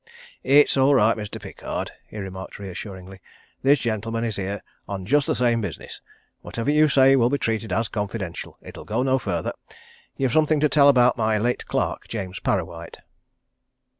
"It's all right, Mr. Pickard," he remarked reassuringly. "This gentleman is here on just the same business whatever you say will be treated as confidential it'll go no further. You've something to tell about my late clerk, James Parrawhite."